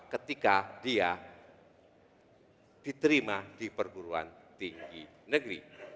ketika dia diterima di perguruan tinggi negeri